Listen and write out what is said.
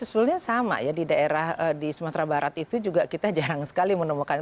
sebetulnya sama ya di daerah di sumatera barat itu juga kita jarang sekali menemukan